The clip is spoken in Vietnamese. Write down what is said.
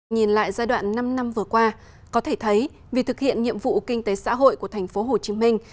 nhìn lại giai đoạn năm năm vừa qua có thể thấy vì thực hiện nhiệm vụ kinh tế xã hội của thành phố hồ chí minh